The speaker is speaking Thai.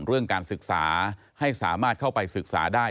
เรื่องการศึกษาให้สามารถเข้าไปศึกษาได้